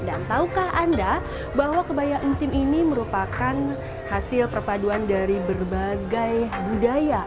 dan tahukah anda bahwa kebaya encim ini merupakan hasil perpaduan dari berbagai budaya